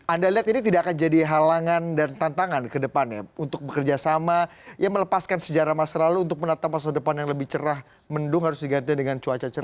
anda lihat ini tidak akan jadi halangan dan tantangan ke depannya untuk bekerja sama ya melepaskan sejarah masa lalu untuk menatap masa depan yang lebih cerah mendung harus diganti dengan cuaca cerah